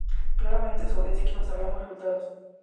Claramente, su audiencia quiso saber ambos resultados.